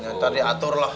nanti diatur lah